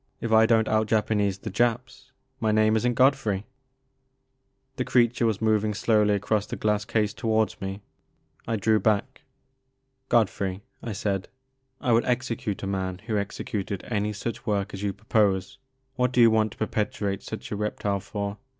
If I don't out Japanese the Japs my name is n*t Godfrey.*' Hie creature was moving slowly across the glass case towards me. I drew back. Godfrey," I said, I would execute a man who executed any such work as you propose. What do you want to perpetuate such a reptile for